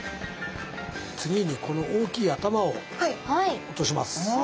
次にこの大きい頭を落とします。